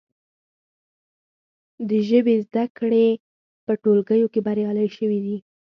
د ژبې زده کړې په ټولګیو کې بریالۍ شوي دي.